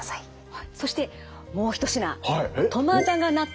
そしてもう一品